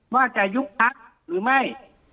ว่าจะยุบพักหรือไม่